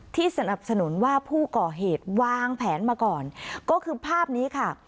สนับสนุนว่าผู้ก่อเหตุวางแผนมาก่อนก็คือภาพนี้ค่ะ